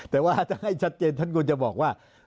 แต่ว่าถ้าให้ชัดเจนท่านควรจะบอกว่า